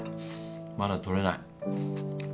まだ取れない。